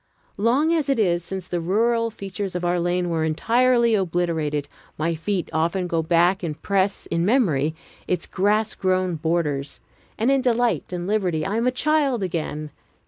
Long as it is since the rural features of our lane were entirely obliterated, my feet often go back and press, in memory, its grass grown borders, and in delight and liberty I am a child again.